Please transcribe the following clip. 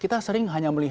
kita sering hanya melihat